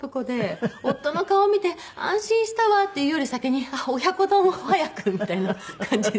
夫の顔を見て「安心したわ」って言うより先に「親子丼を早く」みたいな感じ。